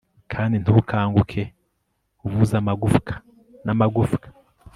Kandi ntukanguke uvuza amagufwa namagufwa